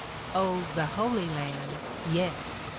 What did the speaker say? Oh, the Holy Land, yes